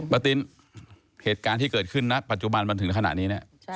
ตินเหตุการณ์ที่เกิดขึ้นนะปัจจุบันมาถึงขณะนี้เนี่ย